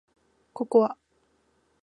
ココア